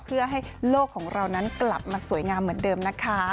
เพื่อให้โลกของเรานั้นกลับมาสวยงามเหมือนเดิมนะคะ